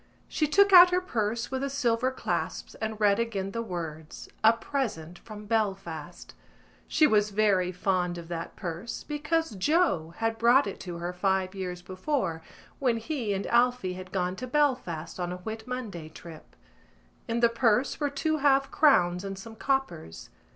She took out her purse with the silver clasps and read again the words A Present from Belfast. She was very fond of that purse because Joe had brought it to her five years before when he and Alphy had gone to Belfast on a Whit Monday trip. In the purse were two half crowns and some coppers.